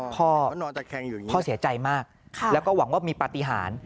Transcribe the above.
พ่อพ่อเสียใจมากแล้วก็หวังว่ามีปฏิหาร